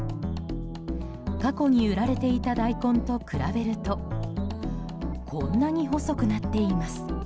過去に売られていた大根と比べるとこんなに細くなっています。